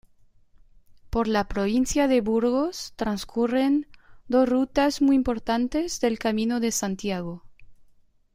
Por la provincia de Burgos transcurren dos rutas muy importantes del Camino de Santiago.